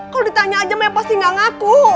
kalau ditanya aja saya pasti gak ngaku